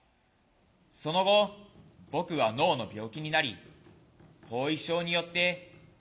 その後僕は脳の病気になり後遺症によって視覚に障害をもった。